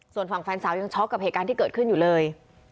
ส่วนฝั่งแฟนสาวยังช็อกกับเหตุการณ์ที่เกิดขึ้นอยู่เลย